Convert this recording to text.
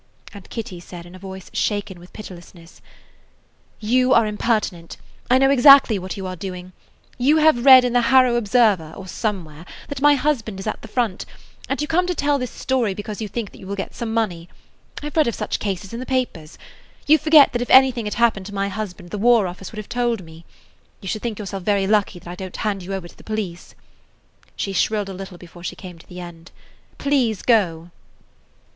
And Kitty said in a voice shaken with pitilessness: "You are impertinent. I know ex [Page 26] actly what you are doing. You have read in the 'Harrow Observer' or somewhere that my husband is at the front, and you come to tell this story because you think that you will get some money. I 've read of such cases in the papers. You forget that if anything had happened to my husband the War Office would have told me. You should think yourself very lucky that I don't hand you over to the police." She shrilled a little before she came to the end. "Please go!"